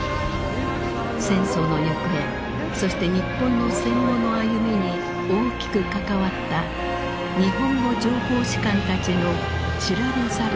戦争の行方そして日本の戦後の歩みに大きく関わった日本語情報士官たちの知られざる物語である。